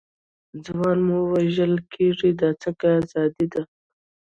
ځوانان مو وژل کېږي، دا څنګه ازادي ده.